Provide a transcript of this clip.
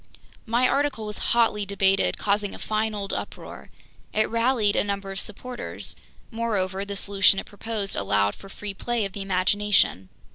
My article was hotly debated, causing a fine old uproar. It rallied a number of supporters. Moreover, the solution it proposed allowed for free play of the imagination.